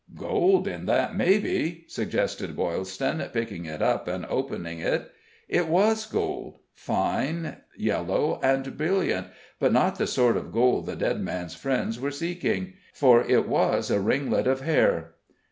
"Gold in that, mebbe," suggested Boylston, picking it up and opening it. It was gold; fine, yellow, and brilliant, but not the sort of gold the dead man's friends were seeking, for it was a ringlet of hair.